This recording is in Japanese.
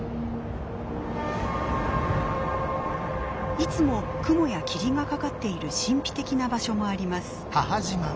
いつも雲や霧がかかっている神秘的な場所もあります。